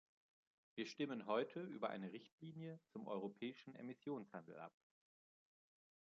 Wir stimmen heute über eine Richtlinie zum europäischen Emissionshandel ab.